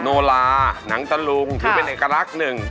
โนลาหนังตะลุงถือเป็นเอกลักษณ์หนึ่ง